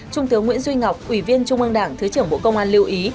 trung tướng nguyễn duy ngọc ủy viên trung ương đảng thứ trưởng bộ công an lưu ý